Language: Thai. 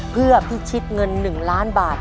เพื่อพิชิตเงิน๑ล้านบาท